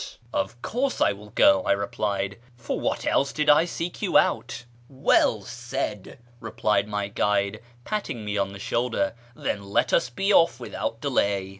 " Of course I will go," I replied ;" for what else did I seek you out ?"" Well said !" replied my guide, patting me on the shoulder ;" then let us be off without delay."